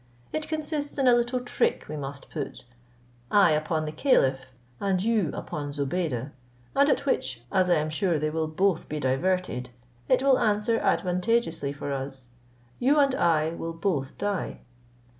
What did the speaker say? It consists in a little trick we must put, I upon the caliph and you upon Zobeide, and at which, as I am sure they will both be diverted, it will answer advantageously for us. You and I will both die."